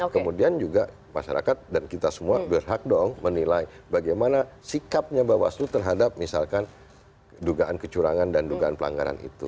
kemudian juga masyarakat dan kita semua berhak dong menilai bagaimana sikapnya bawaslu terhadap misalkan dugaan kecurangan dan dugaan pelanggaran itu